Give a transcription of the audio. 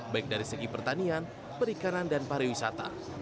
baik dari segi pertanian perikanan dan pariwisata